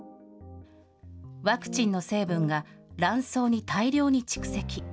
ワクチンの成分が卵巣に大量に蓄積。